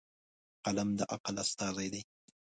قلم د عقل استازی دی.